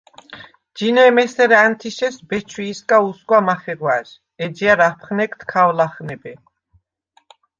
– ჯინემ ესერ ა̈ნთიშეს ბეჩვიჲსგა უსგვა მახეღვა̈ჟ, ეჯჲა̈რ აფხნეგდ ქავ ლახნებე.